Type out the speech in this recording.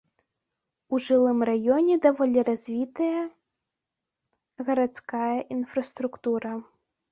У жылым раёне даволі развітая гарадская інфраструктура.